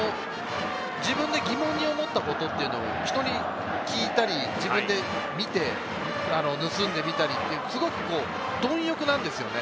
自分に疑問に思ったことというもの、人に聞いたり、自分で見て、盗んでみたり、すごく貪欲なんですよね。